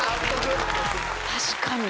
確かに。